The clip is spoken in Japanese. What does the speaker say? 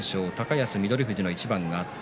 高安、翠富士の一番があって